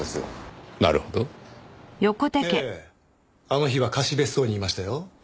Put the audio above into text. あの日は貸別荘にいましたよ。